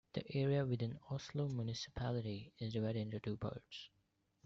The area within Oslo municipality is divided into two parts.